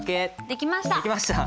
できました。